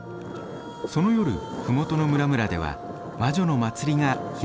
その夜麓の村々では魔女の祭りが開かれます。